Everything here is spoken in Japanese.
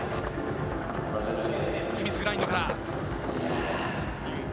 スミスグラインドから。